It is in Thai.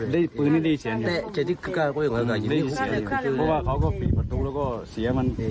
ได้ปืนนี่ดีเสียงเพราะว่าเขาก็ฝีประตูแล้วก็เสียมัน